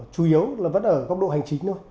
chủ yếu là vẫn ở góc độ hành chính thôi